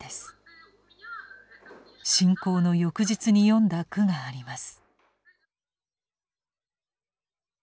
侵攻の翌日に詠んだ句があります